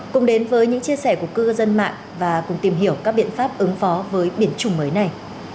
cùng đến với những chia sẻ của cư dân mạng và cùng tìm hiểu các biện pháp ứng phó với biến chủng mới này